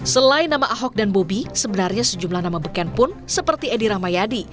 selain nama ahok dan bobi sebenarnya sejumlah nama beken pun seperti edi rahmayadi